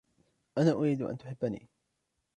أنا أريد أن تُحِبني.